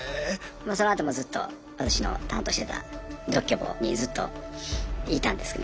そのあともうずっと私の担当してた独居房にずっといたんですけど。